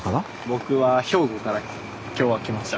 僕は兵庫から今日は来ました。